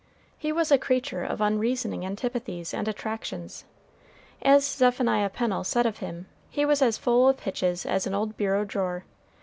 He was a creature of unreasoning antipathies and attractions. As Zephaniah Pennel said of him, he was as full of hitches as an old bureau drawer.